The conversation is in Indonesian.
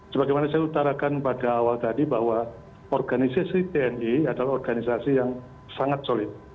sebagaimana saya utarakan pada awal tadi bahwa organisasi tni adalah organisasi yang sangat solid